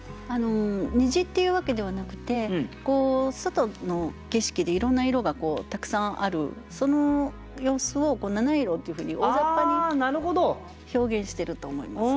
虹っていうわけではなくて外の景色でいろんな色がたくさんあるその様子を「七色」っていうふうに大ざっぱに表現してると思います。